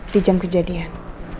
di jam kejadian